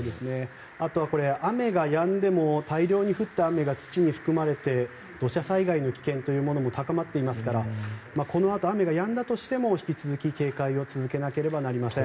あとは、雨がやんでも大量に降った雨が土に含まれて土砂災害の危険も高まっていますからこのあと雨がやんだとしても引き続き警戒を続けなければなりません。